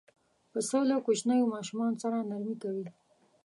پسه له کوچنیو ماشومانو سره نرمي کوي.